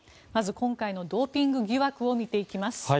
まず今回のドーピング疑惑を見ていきます。